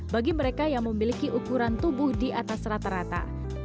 bagi mereka yang memiliki ukuran tubuh di atas rata rata